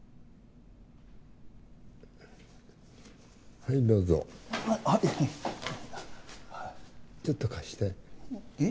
はいどうぞあっちょっと貸してえっ？